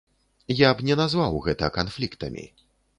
Я б не назваў гэта канфліктамі.